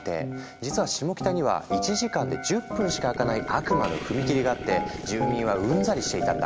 実はシモキタには１時間で１０分しか開かない悪魔の踏切があって住民はうんざりしていたんだ。